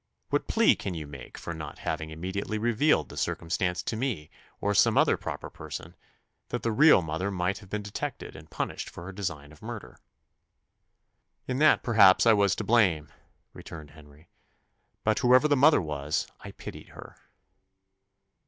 What plea can you make for not having immediately revealed the circumstance to me or some other proper person, that the real mother might have been detected and punished for her design of murder?" "In that, perhaps, I was to blame," returned Henry: "but whoever the mother was, I pitied her."